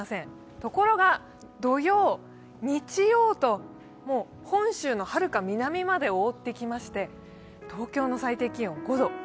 ところが、土曜、日曜と本州のはるか南まで覆ってきまして、東京の最低気温５度。